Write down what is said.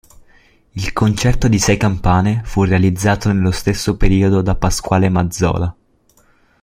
Il concerto di sei campane fu realizzato nello stesso periodo da Pasquale Mazzola.